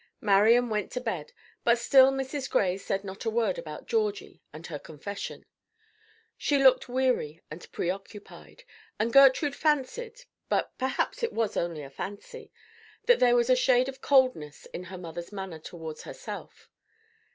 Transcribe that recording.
Marian went to bed; but still Mrs. Gray said not a word about Georgie and her confession. She looked weary and preoccupied, and Gertrude fancied but perhaps it was only fancy that there was a shade of coldness in her mother's manner towards herself.